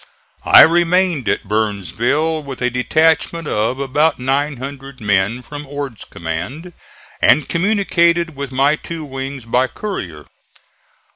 I remained at Burnsville with a detachment of about 900 men from Ord's command and communicated with my two wings by courier.